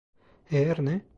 Eğer ne?